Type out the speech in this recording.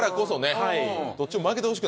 はい。